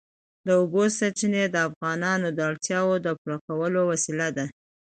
د اوبو سرچینې د افغانانو د اړتیاوو د پوره کولو وسیله ده.